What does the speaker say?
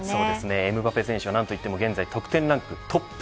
エムバペ選手は何といっても現在得点ランキングトップ。